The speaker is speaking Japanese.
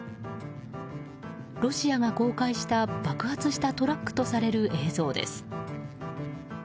ロシアが公開した爆発したトラックとされる映像です。